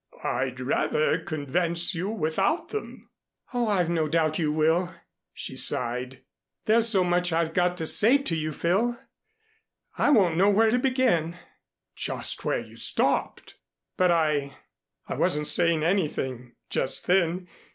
"I'd rather convince you without them." "Oh, I've no doubt you will," she sighed. "There's so much I've got to say to you, Phil. I won't know where to begin " "Just where you stopped." "But I I wasn't saying anything just then.